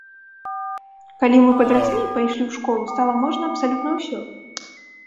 Калі мы падраслі і пайшлі ў школу, стала можна абсалютна ўсё.